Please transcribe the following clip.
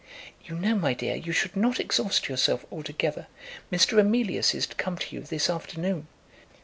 "You know, my dear, you should not exhaust yourself altogether. Mr. Emilius is to come to you this afternoon."